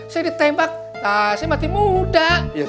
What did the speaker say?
saya ditembak saya mati muda